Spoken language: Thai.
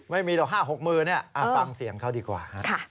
ไม่มีหรอกห้าหกหมื่นฟังเสียงเขาดีกว่า